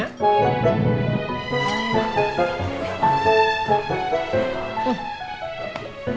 lihat dia ya sejalan nya